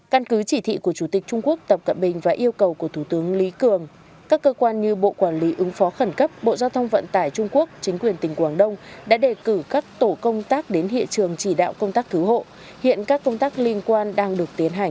căn cứ chỉ thị của chủ tịch trung quốc tập cận bình và yêu cầu của thủ tướng lý cường các cơ quan như bộ quản lý ứng phó khẩn cấp bộ giao thông vận tải trung quốc chính quyền tỉnh quảng đông đã đề cử các tổ công tác đến hiện trường chỉ đạo công tác cứu hộ hiện các công tác liên quan đang được tiến hành